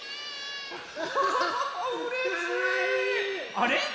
あれ？